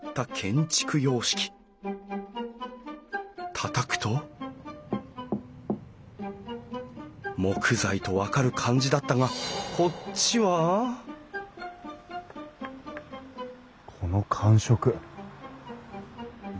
たたくと木材と分かる感じだったがこっちはこの感触擬